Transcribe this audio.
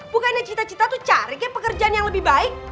bukannya cita cita tuh cari pekerjaan yang lebih baik